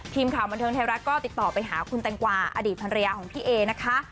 ทีมข่าวบันเทิงไทยรัฐก็ติดต่อไปหาคุณแตงกวาอดีตภรรยาของพี่เอนะคะ